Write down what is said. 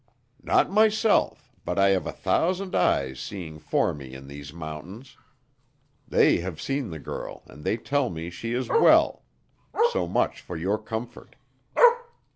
"Not myself, but I have a thousand eyes seeing for me in these mountains. They have seen the girl and they tell me she is well, so much for your comfort."